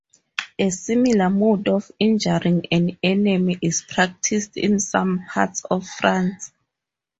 A similar mode of injuring an enemy is practiced in some parts of France.